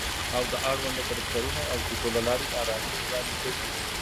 او د اړونده کرکټرونو او کیسو له لارې آرامي وړاندې کوي